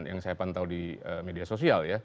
yang saya pantau di media sosial ya